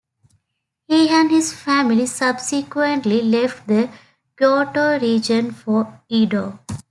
He and his family subsequently left the Kyoto region for Edo.